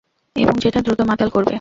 এবং যেটা দ্রুত মাতাল করবে।